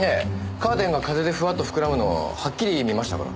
カーテンが風でふわっと膨らむのをはっきり見ましたから。